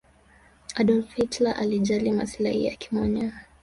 adolf hilter alijali masilai yake mwenyewe